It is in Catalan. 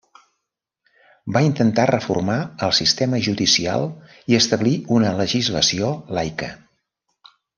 Va intentar reformar el sistema judicial i establir una legislació laica.